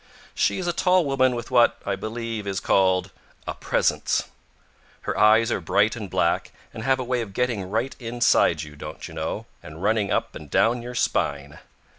She is a tall woman with what, I believe, is called "a presence." Her eyes are bright and black, and have a way of getting right inside you, don't you know, and running up and down your spine.